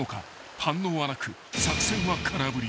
反応はなく作戦は空振り］